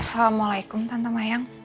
assalamu'alaikum tante mayang